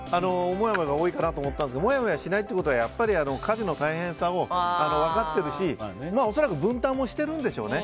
もやもやが多いかと思ったんですがもやもやしないってことは家事の大変さも分かってるし恐らく分担してるんでしょうね。